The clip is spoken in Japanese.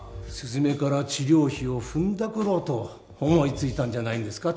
すずめから治療費をふんだくろうと思いついたんじゃないんですか？